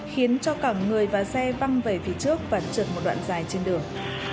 khiến cho cả người và xe văng về phía trước và trượt một đoạn dài trên đường